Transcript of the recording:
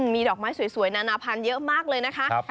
มีดอกไม้สวยนานาพันธุ์เยอะมากเลยนะคะ